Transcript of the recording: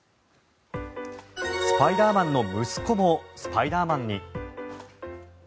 スパイダーマンの息子もスパイダーマンに。